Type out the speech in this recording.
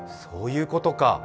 そういうことか！